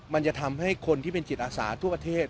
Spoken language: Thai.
มันจะทำให้คนที่เป็นจิตอาสาทั่วประเทศ